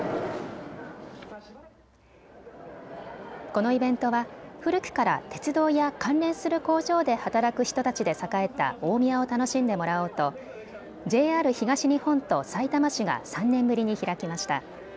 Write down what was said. このイベントは古くから鉄道や関連する工場で働く人たちで栄えた大宮を楽しんでもらおうとＪＲ東日本とさいたま市が３年ぶりに開きました。